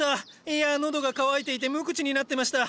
いや喉が渇いていて無口になってました。